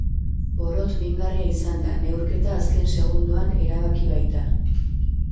Porrot mingarria izan da, neurketa azken segundoan erabaki baita.